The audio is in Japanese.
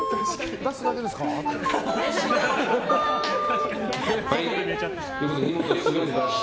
出すだけですかって。